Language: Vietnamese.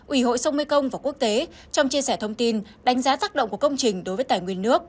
ủy hội sông mekong và quốc tế trong chia sẻ thông tin đánh giá tác động của công trình đối với tài nguyên nước